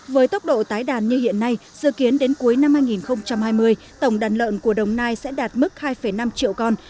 với tốc độ tái đàn như hiện nay dự kiến đến cuối năm hai nghìn hai mươi tổng đàn lợn của đồng nai sẽ đạt mức hai năm triệu con